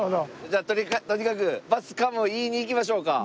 じゃあとにかく「バスカモーン」言いに行きましょうか。